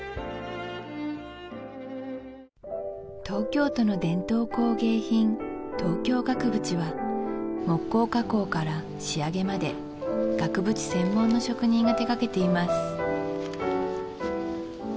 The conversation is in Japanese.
東京都の伝統工芸品東京額縁は木工加工から仕上げまで額縁専門の職人が手がけています